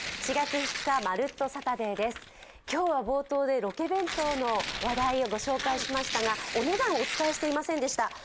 ４月２日、「まるっと！サタデー」です今日は冒頭でロケ弁当の話題をご紹介しましたがお値段お伝えしていませんでした。